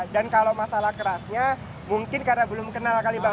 dan kalau masalah kerasnya mungkin karena belum kenal kali bang